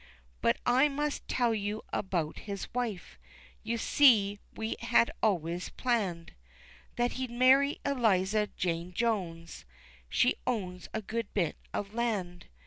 But I must tell you about his wife; You see we had always planned That he'd marry Eliza Jane Jones She owns a good bit of land.